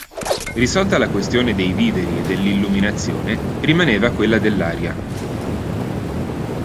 Risolta la questione dei viveri e dell'illuminazione, rimaneva quella dell'aria.